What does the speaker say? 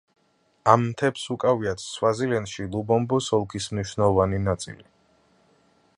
ამ მთებს უკავიათ სვაზილენდში ლუბომბოს ოლქის მნიშვნელოვანი ნაწილი.